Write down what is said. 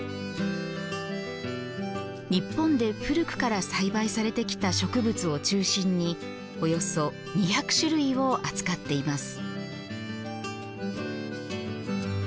日本で古くから栽培されてきた植物を中心におよそ２００種類を扱っています。